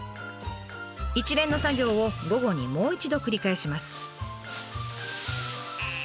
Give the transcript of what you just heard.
一連の作業を午後にもう一度繰り返します。